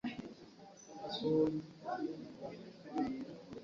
Leero kojja yazze n'anyambulako ku mulimu.